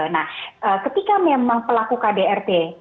nah ketika memang pelaku kdrt